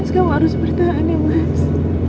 kamu harus bertahan ya mas